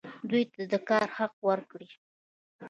دوی ته د کار حق ورکړئ